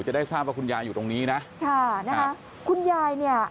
จะได้ทราบว่าคุณยายอยู่ตรงนี้นะค่ะนะคะคุณยายเนี่ย